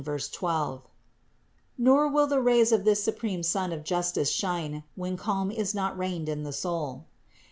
19, 12), nor will the rays of this supreme Sun of justice shine, when calm is not reigning in the soul.